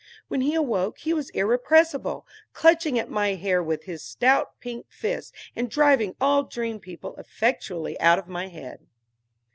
When he awoke he was irrepressible; clutching at my hair with his stout pink fists, and driving all dream people effectually out of my head.